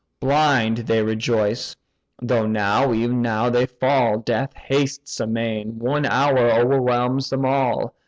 Blind they rejoice, though now, ev'n now they fall; Death hastes amain: one hour o'erwhelms them all!